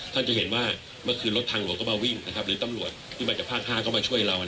ท่านจะเห็นว่าเมื่อคืนรถทางโหลดเข้ามาวิ่งนะครับ